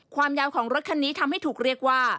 ความยาวของรถคันนี้ทำให้ถูกเรียกว่า